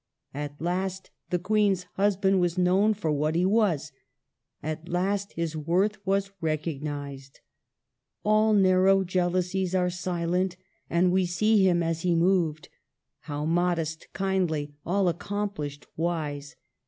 At last the Queen's husband was known for what he was ; at last his worth was recognized :— all narrow jealousies Are silent ; and we see him as he moved, How modest, kindly, all accomplished, wise.